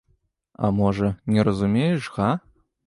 А можа, не разумееш, га?